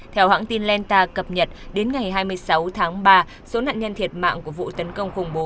theo hãng tin lanta cập nhật đến ngày hai mươi sáu tháng ba số nạn nhân thiệt mạng của vụ tấn công khủng bố